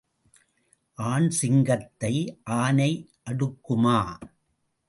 ஆண் சிங்கத்தை ஆனை அடுக்குமா?